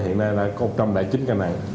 hiện nay là có một trăm linh chín ca nặng